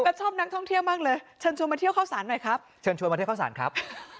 บ๊าบชอบนักท่องเที่ยวบ้างเลยเชิญชวนมาเที่ยวข้าวศาลหน่อยครับ